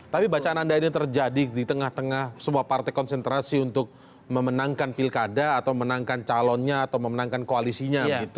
tapi bacaan anda ini terjadi di tengah tengah sebuah partai konsentrasi untuk memenangkan pilkada atau menangkan calonnya atau memenangkan koalisinya